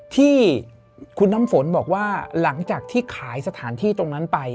ที่คุณน้ำฝนบอกว่าหลังจากที่ขายสถานที่ตรงนั้นไป